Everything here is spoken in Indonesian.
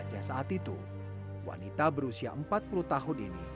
di bandar aceh saat itu wanita berusia empat puluh tahun ini